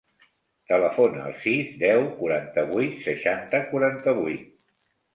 Telefona al sis, deu, quaranta-vuit, seixanta, quaranta-vuit.